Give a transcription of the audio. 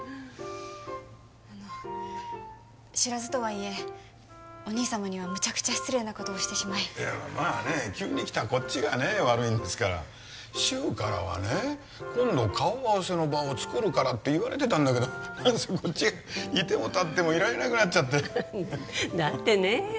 あの知らずとはいえお兄様にはムチャクチャ失礼なことをしてしまいいやまあね急に来たこっちがね悪いんですから柊からはね今度顔合わせの場をつくるからって言われてたんだけど何せこっちが居ても立ってもいられなくなっちゃってだってねえ